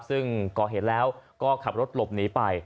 ซึ่งก่อเหตุแล้วก็ขับรถหลบหนีไป